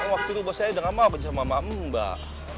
waktu dulu bos saya udah gak mau kerja sama mamamu mbak